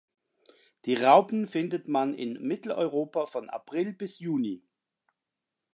Die Raupen findet man in Mitteleuropa von April bis Juni.